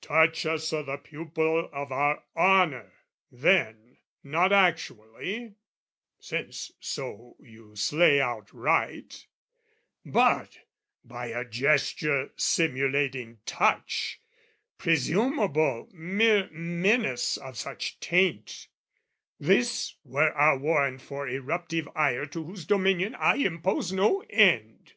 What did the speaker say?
Touch us o' the pupil of our honour, then, Not actually, since so you slay outright, But by a gesture simulating touch, Presumable mere menace of such taint, This were our warrant for eruptive ire "To whose dominion I impose no end."